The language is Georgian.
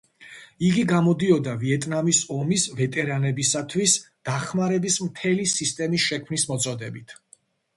იგი გამოდიოდა ვიეტნამის ომის ვეტერანებისათვის დახმარების მთელი სისტემის შექმნის მოწოდებით.